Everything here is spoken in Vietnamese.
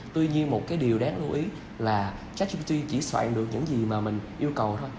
tuy nhiên một cái điều đáng lưu ý là charty chỉ soạn được những gì mà mình yêu cầu thôi